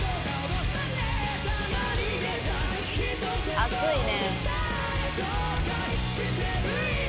「熱いね」